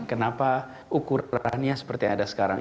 kenapa ukurannya seperti yang ada sekarang